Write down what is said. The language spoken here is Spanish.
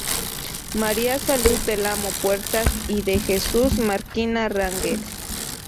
María Salud del Amo Puertas y D. Jesús Marquina Rangel.